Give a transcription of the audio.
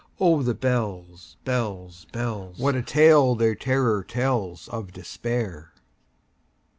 Oh, the bells, bells, bells! What a tale their terror tellsOf Despair!